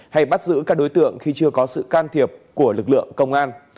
hay bắt giữ các đối tượng khi chưa có sự can thiệp của lực lượng công an